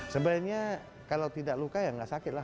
sebenarnya kalau tidak luka ya nggak sakit lah